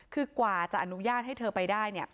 คือกว่าจะอนุญาตให้เธอไปได้เนี่ย